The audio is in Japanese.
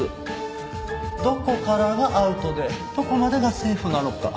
どこからがアウトでどこまでがセーフなのか。